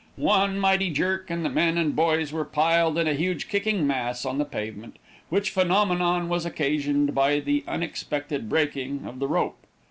One mighty jerk, and the men and boys were piled in a huge kicking mass on the pavement, which phenomenon was occasioned by the unexpected breaking of the rope.